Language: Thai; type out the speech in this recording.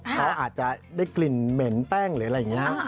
เขาอาจจะได้กลิ่นเหม็นแป้งหรืออะไรอย่างนี้